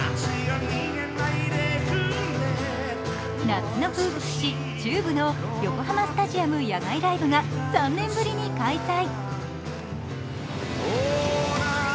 夏の風物詩、ＴＵＢＥの横浜スタジアム野外ライブが３年ぶりに開催。